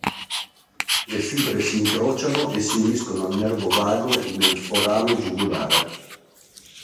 Le fibre si incrociano e si uniscono al nervo vago nel forame giugulare.